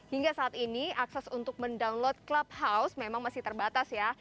hingga saat ini akses untuk mendownload clubhouse memang masih terbatas ya